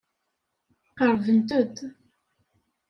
Qerrbent-d.